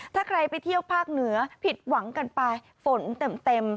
ถ้าใครไปเที่ยวภาคเหนือผิดหวังกันไปฝนเต็ม